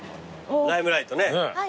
『ライムライト』ね。